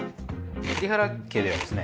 栗原家ではですね